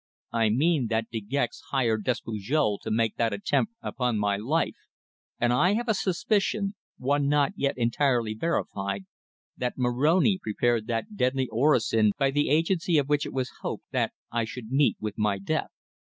"I mean that De Gex hired Despujol to make that attempt upon my life, and I have a suspicion one not yet entirely verified that Moroni prepared that deadly orosin by the agency of which it was hoped that I should meet with my death."